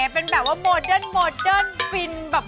เป็นแบบว่าโมเดิร์นฟินศ์